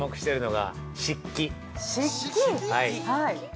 ◆はい。